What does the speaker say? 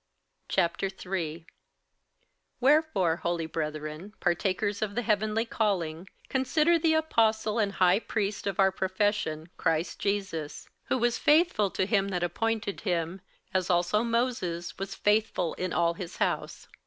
58:003:001 Wherefore, holy brethren, partakers of the heavenly calling, consider the Apostle and High Priest of our profession, Christ Jesus; 58:003:002 Who was faithful to him that appointed him, as also Moses was faithful in all his house.